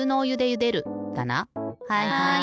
はい！